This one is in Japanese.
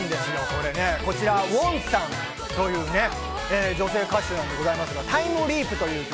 これね、こちらＷＯＮさんという女性歌手なんでございますが、『タイムリープ』という曲。